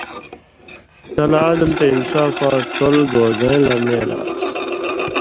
تَلہ عدل تے انصافاں ڇَول گوزَئیں لمَیل آنٚس